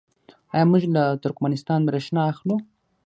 آیا موږ له ترکمنستان بریښنا اخلو؟